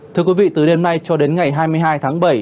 thưa quý vị từ đêm nay cho đến ngày hai mươi hai tháng bảy